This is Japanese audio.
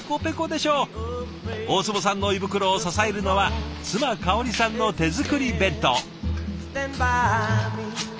大坪さんの胃袋を支えるのは妻香織さんの手作り弁当。